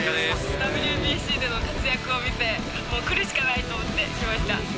ＷＢＣでの活躍を見て、もう来るしかないと思って来ました。